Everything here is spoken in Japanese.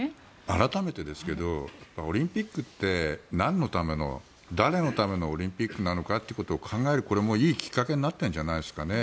改めてですがオリンピックってなんのための、誰のためのオリンピックなのかってことを考える、いいきっかけになったんじゃないですか。